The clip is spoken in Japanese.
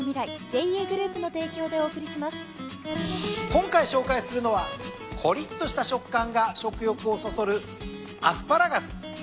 今回紹介するのはコリッとした食感が食欲をそそるアスパラガス。